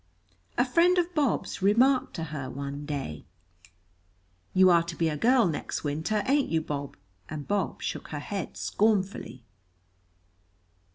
A friend of Bob's remarked to her one day, "You are to be a girl next winter, ain't you, Bob?" and Bob shook her head scornfully.